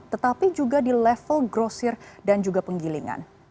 tetapi juga di level grosir dan juga penggilingan